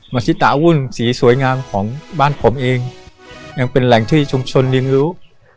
ซิตาวุ่นสีสวยงามของบ้านผมเองยังเป็นแหล่งที่ชุมชนเรียนรู้